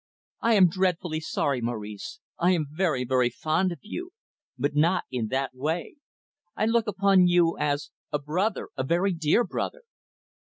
"I am dreadfully sorry, Maurice. I am very, very fond of you, but not in that way. I look upon you as a brother, a very dear brother."